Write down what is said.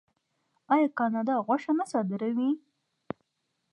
آیا کاناډا غوښه نه صادروي؟